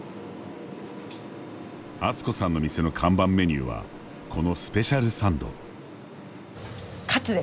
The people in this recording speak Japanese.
敦子さんの店の看板メニューはこのスペシャルサンド。